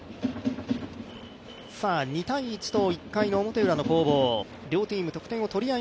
２−１と１回の表ウラの攻防。